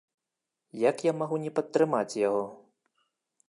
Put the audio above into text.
Як я магу не падтрымаць яго?